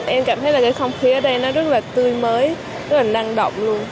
em cảm thấy là cái không khí ở đây nó rất là tươi mới rất là năng động luôn